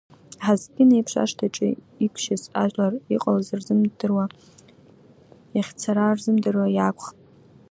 Аҳаскьын еиԥш ашҭаҿы иқәжьыз ажәлар иҟалаз рзымдыруа, иахьцара рзымдыруа иаақәхт.